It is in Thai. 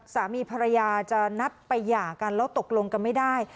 สามีภรรยาจะนัดไปหย่ากันแล้วตกลงกันไม่ได้